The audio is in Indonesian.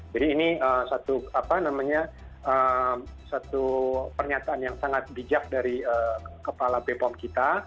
jadi ini satu pernyataan yang sangat bijak dari kepala bepom kita